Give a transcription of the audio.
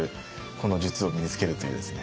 この術を身につけるというですね